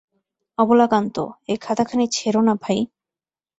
অবলাকান্ত, এ খাতাখানি ছেড়ো না ভাই!